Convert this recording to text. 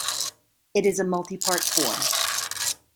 It is a multipart form.